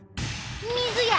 水や！